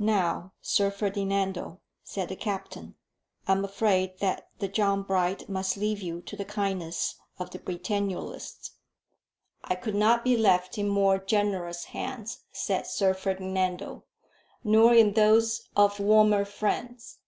"Now, Sir Ferdinando," said the captain, "I am afraid that the John Bright must leave you to the kindness of the Britannulists." "I could not be left in more generous hands," said Sir Ferdinando, "nor in those of warmer friends.